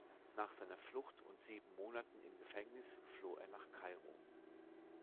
Nach seiner Flucht und sieben Monaten im Gefängnis floh er nach Kairo.